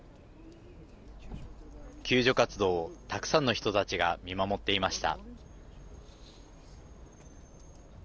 救助活動をたくさんの人たちが見守っていました。